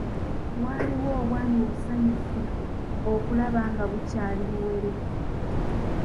Waliwo obwana obusanyusa okulaba nga bukyali buwere.